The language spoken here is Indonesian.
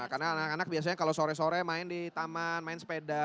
karena anak anak biasanya kalau sore sore main di taman main sepeda